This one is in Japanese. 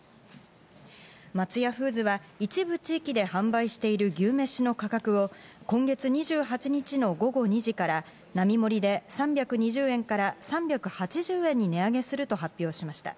松屋フーズは一部地域で販売している牛めしの価格を今月２８日の午後２時から並み盛りで３２０円から３８０円に値上げすると発表しました。